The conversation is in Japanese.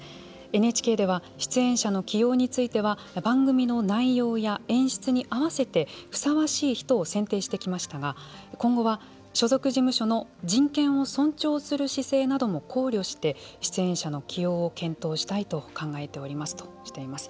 ＮＨＫでは出演者の起用については番組の内容や演出に合わせてふさわしい人を選定してきましたが今後は所属事務所の人権を尊重する姿勢なども考慮して出演者の起用を検討したいと考えておりますとしています。